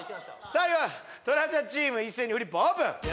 さあではトラジャチーム一斉にフリップオープン！